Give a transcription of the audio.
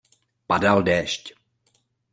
Padal déšť.